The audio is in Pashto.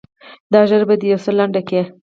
دا ږيره به دې يو څه لنډه کې.